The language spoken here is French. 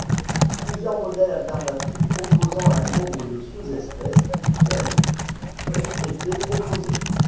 Plusieurs modèles alternatifs, proposant un nombre de sous-espèces plus faible, ont été proposés.